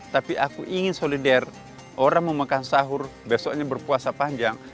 tapi aku ingin solidar orang mau makan sahur besoknya berpuasa panjang